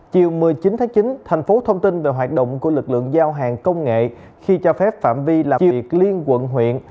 chiều một mươi chín tháng chín thành phố thông tin về hoạt động của lực lượng giao hàng công nghệ khi cho phép phạm vi làm việc liên quận huyện